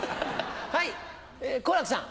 はい好楽さん。